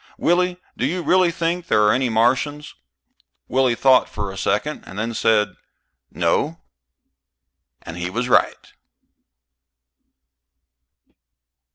Willie, do you really think there are any Martians?" Willie thought a second and then said, "No." He was right.